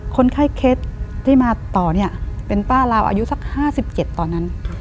คนไข้เคสที่มาต่อเนี่ยเป็นป้าลาวอายุสัก๕๗ตอนนั้น